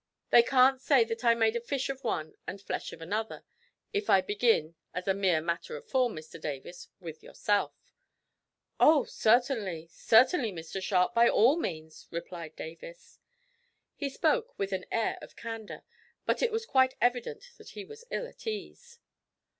They can't say that I have made fish of one and flesh of another, if I begin, as a mere matter of form, Mr Davis, with yourself." "Oh, certainly certainly, Mr Sharp, by all means," replied Davis. He spoke with an air of candour, but it was quite evident that he was ill at ease.